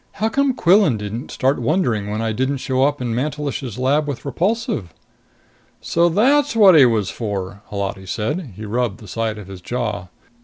"How come Quillan didn't start wondering when I didn't show up in Mantelish's lab with Repulsive?" "So that's what he was for!" Holati said. He rubbed the side of his jaw.